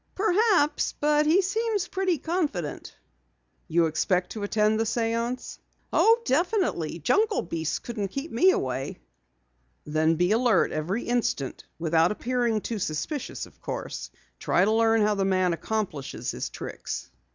"Perhaps, but he seems pretty confident." "You expect to attend the séance?" "Oh, definitely. Jungle beasts couldn't keep me away." "Then be alert every instant without appearing too suspicious, of course. Try to learn how the man accomplishes his tricks."